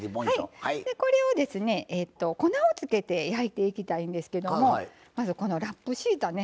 これをですね粉をつけて焼いていきたいんですけどもまずこのラップ敷いたね